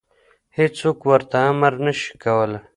هېڅوک ورته امر نشي کولی.